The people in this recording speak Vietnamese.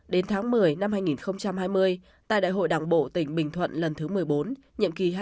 đến tháng một mươi năm hai nghìn hai mươi tại đại hội đảng bộ tỉnh bình thuận lần thứ một mươi bốn nhiệm kỳ hai nghìn một mươi bốn